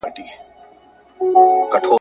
کچکول به یوسو تر خیراتونو `